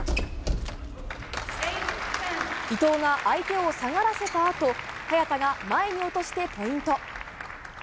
伊藤が相手を下がらせたあと早田が前に落としてポイント。